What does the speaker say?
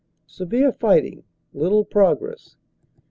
Severe fighting, little progress.